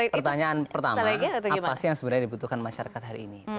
pertanyaan pertama apa sih yang sebenarnya dibutuhkan masyarakat hari ini